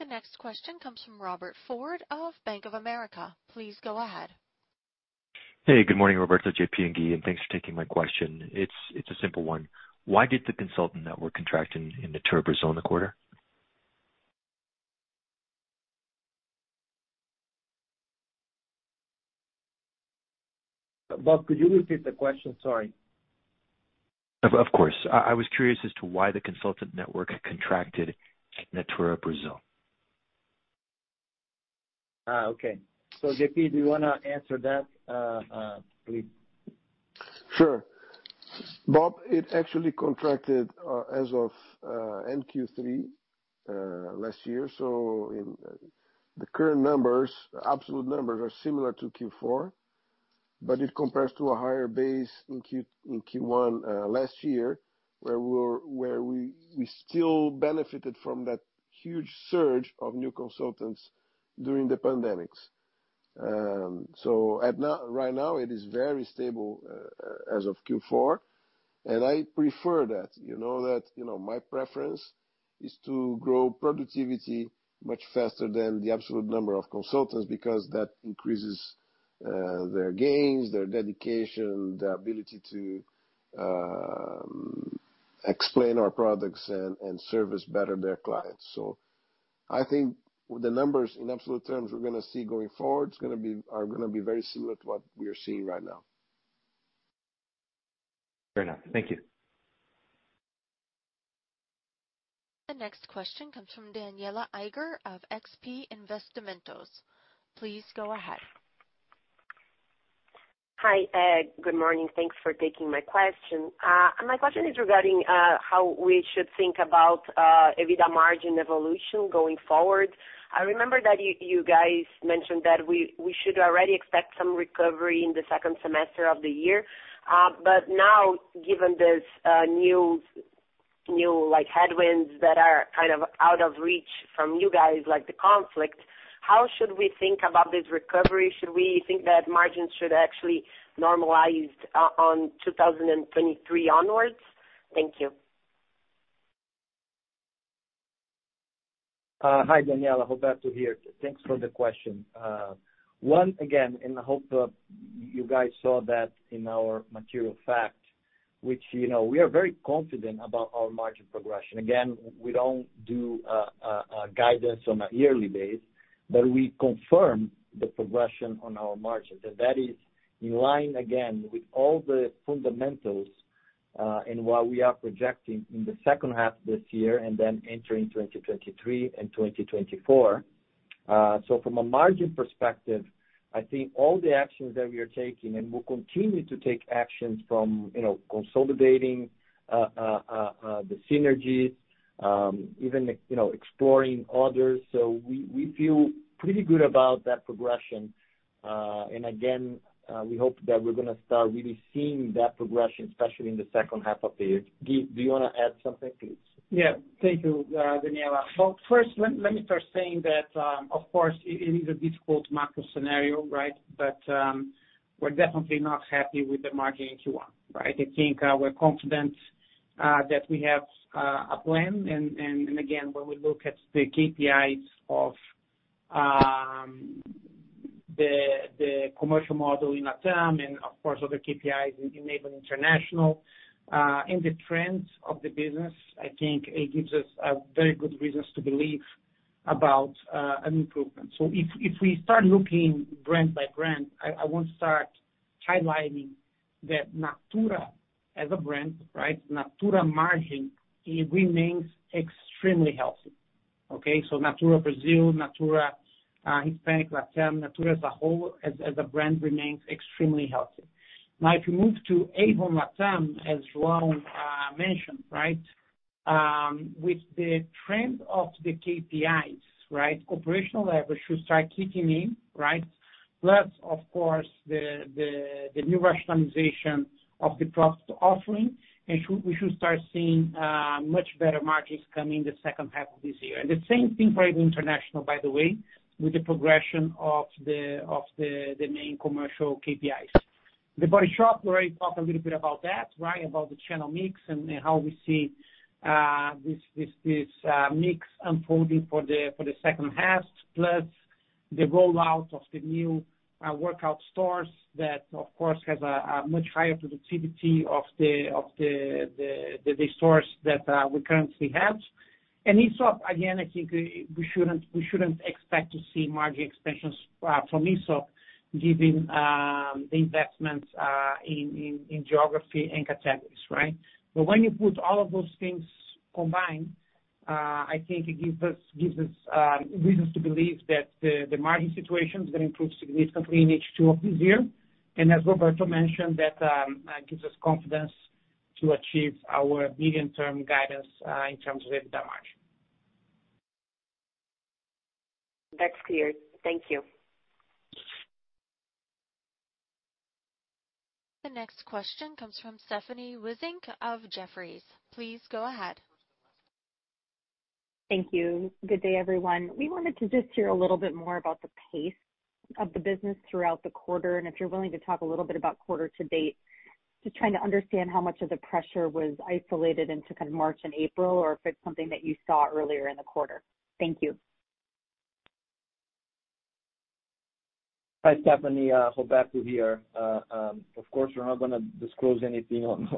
The next question comes from Robert Ford of Bank of America. Please go ahead. Hey, good morning, Roberto, J.P. and Gui, and thanks for taking my question. It's a simple one. Why did the consultant network contract in Natura Brazil in the quarter? Bob, could you repeat the question? Sorry. Of course. I was curious as to why the consultant network contracted Natura Brazil. Okay. J.P., do you wanna answer that, please? Sure. Bob, it actually contracted as of end Q3 last year. In the current numbers, absolute numbers are similar to Q4, but it compares to a higher base in Q1 last year, where we still benefited from that huge surge of new consultants during the pandemic. Right now it is very stable as of Q4, and I prefer that. You know that, you know, my preference is to grow productivity much faster than the absolute number of consultants because that increases their gains, their dedication, their ability to explain our products and serve better their clients. I think the numbers in absolute terms we're gonna see going forward are gonna be very similar to what we are seeing right now. Fair enough. Thank you. The next question comes from Danniela Eiger of XP Investimentos. Please go ahead. Hi, good morning. Thanks for taking my question. My question is regarding how we should think about EBITDA margin evolution going forward. I remember that you guys mentioned that we should already expect some recovery in the second semester of the year. Now, given this new like headwinds that are kind of out of reach from you guys, like the conflict, how should we think about this recovery? Should we think that margins should actually normalize on 2023 onwards? Thank you. Hi, Daniela. Roberto here. Thanks for the question. One, again, I hope you guys saw that in our material fact, which, you know, we are very confident about our margin progression. Again, we don't do a guidance on a yearly basis, but we confirm the progression on our margins. That is in line again with all the fundamentals in what we are projecting in the second half this year and then entering 2023 and 2024. From a margin perspective, I think all the actions that we are taking, and we'll continue to take actions from, you know, consolidating the synergies, even, you know, exploring others. We feel pretty good about that progression. We hope that we're gonna start really seeing that progression, especially in the second half of the year. Gui, do you wanna add something, please? Yeah. Thank you, Daniela. Well, first, let me start saying that, of course it is a difficult macro scenario, right? We're definitely not happy with the margin in Q1, right? I think, we're confident, that we have, a plan and, again, when we look at the KPIs of, the commercial model in LatAm and of course other KPIs in Avon International, and the trends of the business, I think it gives us, very good reasons to believe about, an improvement. If we start looking brand by brand, I want to start highlighting that Natura as a brand, right? Natura margin, it remains extremely healthy, okay? Natura Brazil, Natura, Hispanic, LatAm, Natura as a whole, as a brand remains extremely healthy. Now, if you move to Avon LatAm, as João mentioned, right? With the trend of the KPIs, right, operational leverage should start kicking in, right? Plus of course, the new rationalization of the product offering, and we should start seeing much better margins come in the second half of this year. The same thing for Avon International, by the way, with the progression of the main commercial KPIs. The Body Shop, we already talked a little bit about that, right? About the channel mix and how we see this mix unfolding for the second half, plus the rollout of the new Workshop stores that of course has a much higher productivity of the stores that we currently have. Aesop, again, I think we shouldn't expect to see margin expansions from Aesop given the investments in geography and categories, right? When you put all of those things combined, I think it gives us reasons to believe that the margin situation is gonna improve significantly in H2 of this year. As Roberto mentioned, that gives us confidence to achieve our medium-term guidance in terms of EBITDA margin. That's clear. Thank you. The next question comes from Stephanie Wissink of Jefferies. Please go ahead. Thank you. Good day, everyone. We wanted to just hear a little bit more about the pace of the business throughout the quarter, and if you're willing to talk a little bit about quarter to date, just trying to understand how much of the pressure was isolated into kind of March and April, or if it's something that you saw earlier in the quarter. Thank you. Hi, Stephanie, Roberto here. Of course, we're not gonna disclose anything on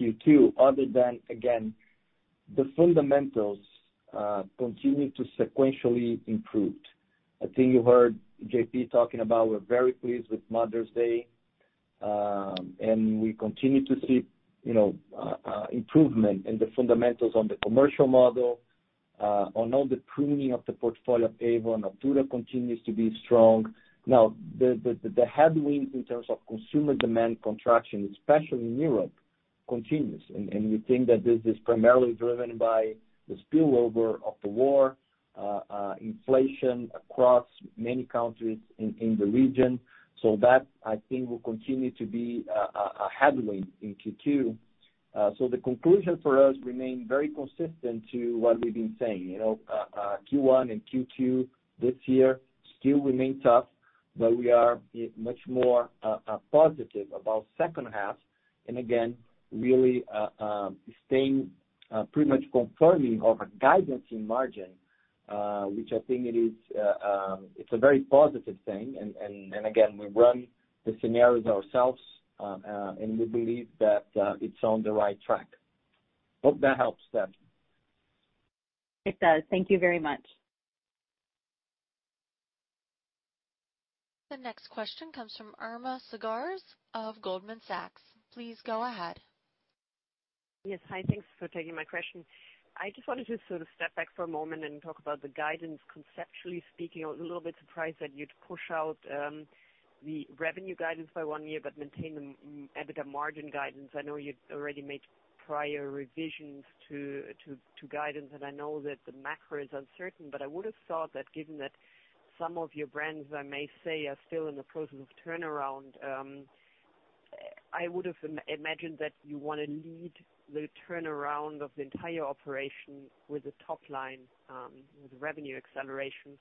Q2 other than, again, the fundamentals continue to sequentially improved. I think you heard J.P. talking about we're very pleased with Mother's Day. And we continue to see, you know, improvement in the fundamentals on the commercial model, on all the pruning of the portfolio of Avon. Natura continues to be strong. The headwinds in terms of consumer demand contraction, especially in Europe, continues, and we think that this is primarily driven by the spillover of the war, inflation across many countries in the region. So that, I think, will continue to be a headwind in Q2. So the conclusion for us remain very consistent to what we've been saying. You know, Q1 and Q2 this year still remain tough, but we are much more positive about second half. Again, really staying pretty much confirming of our guidance in margin, which I think it is. It's a very positive thing. Again, we run the scenarios ourselves, and we believe that it's on the right track. Hope that helps, Steph. It does. Thank you very much. The next question comes from Irma Sgarz of Goldman Sachs. Please go ahead. Yes. Hi. Thanks for taking my question. I just wanted to sort of step back for a moment and talk about the guidance, conceptually speaking. I was a little bit surprised that you'd push out the revenue guidance by one year but maintain the EBITDA margin guidance. I know you'd already made prior revisions to guidance, and I know that the macro is uncertain, but I would've thought that given that some of your brands, I may say, are still in the process of turnaround. I would've imagined that you wanna lead the turnaround of the entire operation with the top line, with revenue acceleration,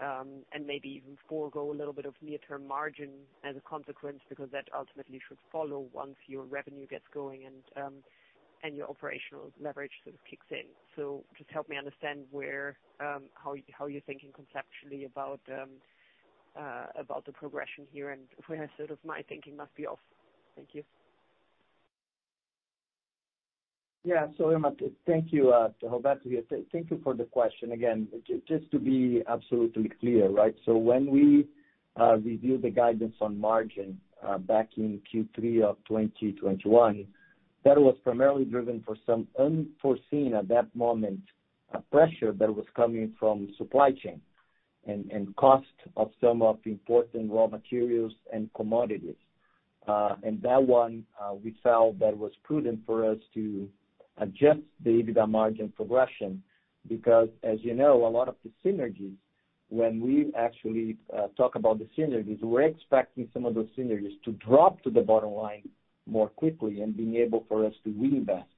and maybe even forego a little bit of near-term margin as a consequence because that ultimately should follow once your revenue gets going and your operational leverage sort of kicks in. Just help me understand where, how you're thinking conceptually about the progression here and where sort of my thinking must be off. Thank you. Yeah. Irma, thank you. Roberto here. Thank you for the question. Again, just to be absolutely clear, right? When we reviewed the guidance on margin back in Q3 of 2021, that was primarily driven by some unforeseen, at that moment, pressure that was coming from supply chain and cost of some of the important raw materials and commodities. That one, we felt that it was prudent for us to adjust the EBITDA margin progression because as you know, a lot of the synergies, when we actually talk about the synergies, we're expecting some of those synergies to drop to the bottom line more quickly and being able for us to reinvest.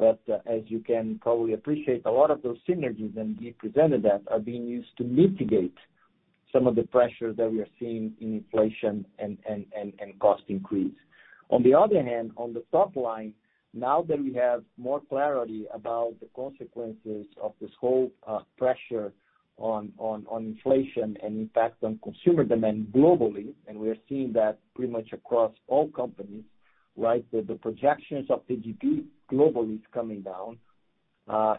As you can probably appreciate, a lot of those synergies, and we presented that, are being used to mitigate some of the pressures that we are seeing in inflation and cost increase. On the other hand, on the top line, now that we have more clarity about the consequences of this whole pressure on inflation and impact on consumer demand globally, and we are seeing that pretty much across all companies, right? The projections of the GDP globally is coming down.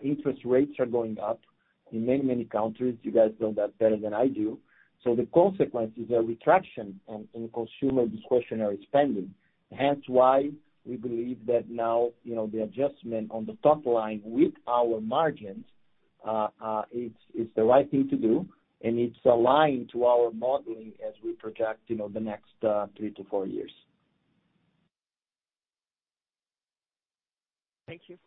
Interest rates are going up in many countries. You guys know that better than I do. The consequences are retraction on consumer discretionary spending. Hence why we believe that now, you know, the adjustment on the top line with our margins. It's the right thing to do, and it's aligned to our modeling as we project, you know, the next three to four years. Thank you.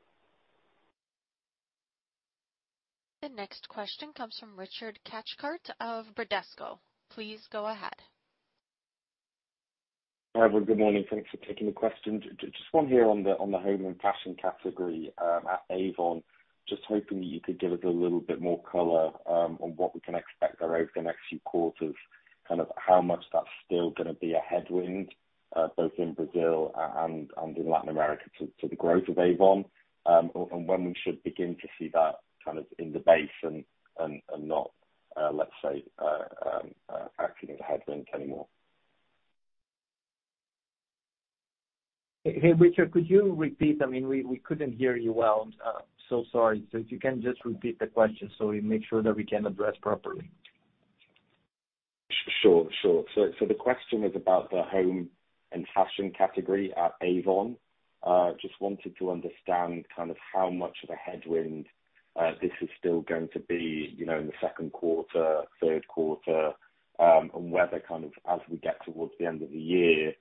The next question comes from Richard Cathcart of Bradesco. Please go ahead. Hi, everyone. Good morning. Thanks for taking the question. Just one here on the Fashion & Home category at Avon. Just hoping that you could give us a little bit more color on what we can expect there over the next few quarters, kind of how much that's still gonna be a headwind both in Brazil and in Latin America to the growth of Avon. When we should begin to see that kind of in the base and not, let's say, acting as a headwind anymore. Hey, Richard, could you repeat? I mean, we couldn't hear you well. Sorry. If you can just repeat the question so we make sure that we can address properly. Sure. The question is about the home and fashion category at Avon. Just wanted to understand kind of how much of a headwind this is still going to be, you know, in the second quarter, third quarter, and whether kind of as we get towards the end of the year,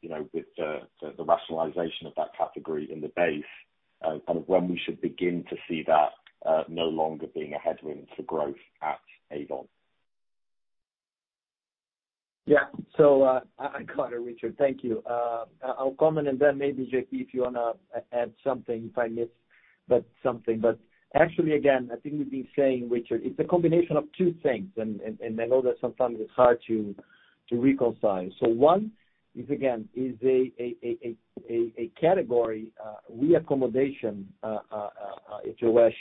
you know, with the rationalization of that category in the base, kind of when we should begin to see that no longer being a headwind to growth at Avon. Yeah. I got it, Richard. Thank you. I'll comment and then maybe J.P., if you wanna add something, if I missed something. Actually, again, I think we've been saying, Richard, it's a combination of two things. I know that sometimes it's hard to reconcile. One is, again, a category reaccommodation, if you wish,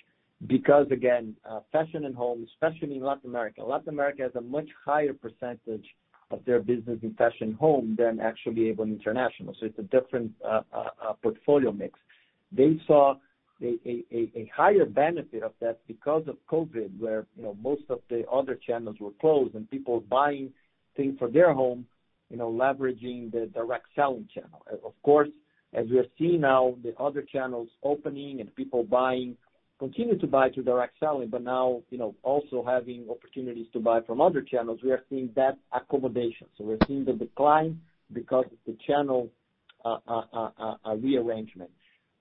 because, again, Fashion & Home, especially in Latin America. Latin America has a much higher percentage of their business in Fashion & Home than actually Avon International, so it's a different portfolio mix. They saw a higher benefit of that because of COVID, where, you know, most of the other channels were closed and people buying things for their home, you know, leveraging the direct selling channel. Of course, as we are seeing now, the other channels opening and people buying continue to buy through direct selling, but now, you know, also having opportunities to buy from other channels, we are seeing that accommodation. We're seeing the decline because of the channel rearrangement.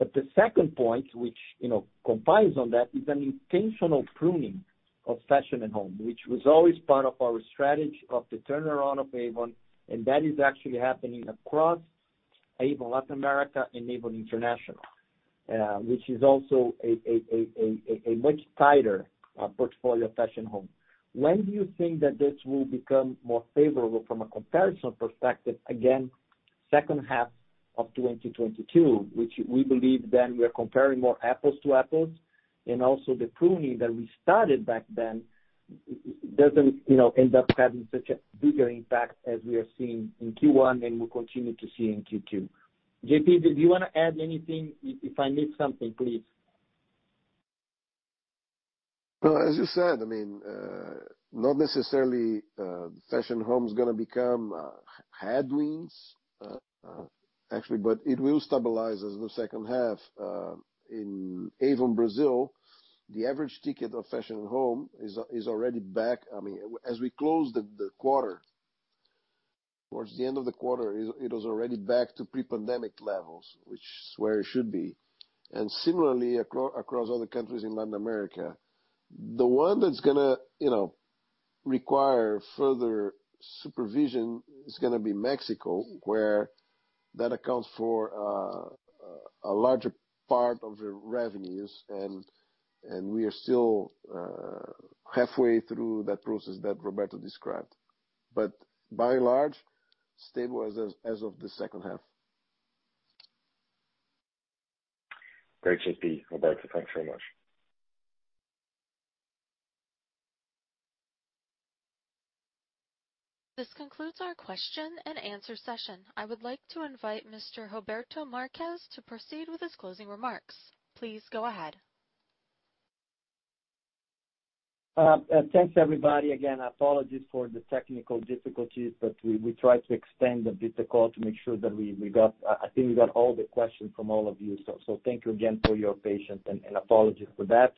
The second point, which, you know, builds on that, is an intentional pruning of Fashion & Home, which was always part of our strategy of the turnaround of Avon, and that is actually happening across Avon Latin America and Avon International, which is also a much tighter portfolio of Fashion & Home. When do you think that this will become more favorable from a comparison perspective? Again, second half of 2022, which we believe then we are comparing more apples to apples, and also the pruning that we started back then doesn't, you know, end up having such a bigger impact as we are seeing in Q1, and we'll continue to see in Q2. J.P., did you wanna add anything? If I missed something, please. As you said, I mean, not necessarily, Fashion & Home is gonna become headwinds, actually, but it will stabilize in the second half. In Avon Brazil, the average ticket of Fashion & Home is already back. I mean, as we close the quarter, towards the end of the quarter, it was already back to pre-pandemic levels, which is where it should be. Similarly, across other countries in Latin America. The one that's gonna, you know, require further supervision is gonna be Mexico, where that accounts for a larger part of the revenues and we are still halfway through that process that Roberto described. By and large, stable as of the second half. Great, J.P., Roberto, thanks very much. This concludes our question and answer session. I would like to invite Mr. Roberto Marques to proceed with his closing remarks. Please go ahead. Thanks everybody. Again, apologies for the technical difficulties, but we tried to extend a bit the call to make sure that we got all the questions from all of you. Thank you again for your patience and apologies for that.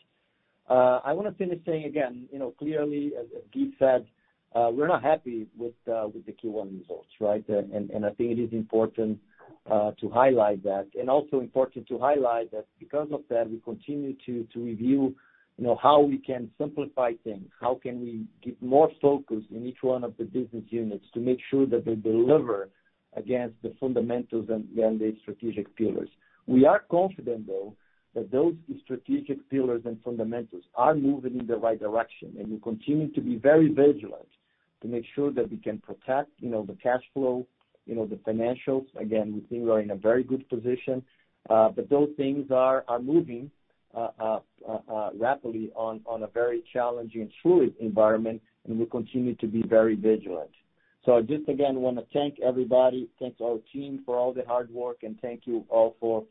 I wanna finish saying again, you know, clearly, as J.P. said, we're not happy with the Q1 results, right? I think it is important to highlight that. It is also important to highlight that because of that, we continue to review, you know, how we can simplify things. How can we give more focus in each one of the business units to make sure that they deliver against the fundamentals and the strategic pillars. We are confident, though, that those strategic pillars and fundamentals are moving in the right direction, and we continue to be very vigilant to make sure that we can protect, you know, the cash flow, you know, the financials. Again, we think we're in a very good position, but those things are moving rapidly in a very challenging tough environment, and we continue to be very vigilant. Just again, wanna thank everybody, thank our team for all the hard work, and thank you all for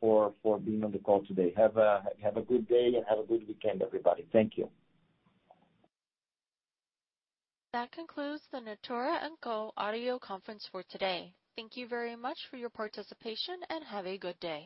being on the call today. Have a good day and have a good weekend, everybody. Thank you. That concludes the Natura &Co audio conference for today. Thank you very much for your participation, and have a good day.